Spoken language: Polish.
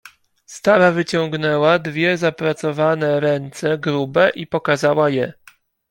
"Stara wyciągnęła dwie zapracowane ręce grube i pokazała je."